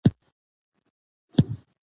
پنېر په یخچال کې تازه پاتې کېږي.